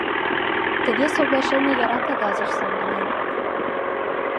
Тыге соглашений яра кагазыш савырнен.